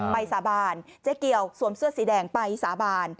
สาบานเจ๊เกียวสวมเสื้อสีแดงไปสาบาน